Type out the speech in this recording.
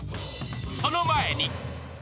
［その前に］